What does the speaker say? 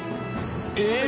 えっ！？